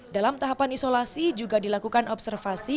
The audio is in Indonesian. dalam tahapan isolasi juga dilakukan observasi